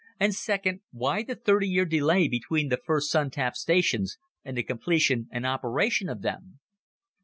And second, why the thirty year delay between the first Sun tap stations and the completion and operation of them?"